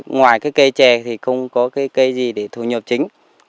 ngoài cái cây trè thì không có cây gì để thu nhập chính